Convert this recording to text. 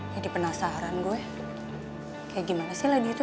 jadi penasaran gue kayak gimana sih lady itu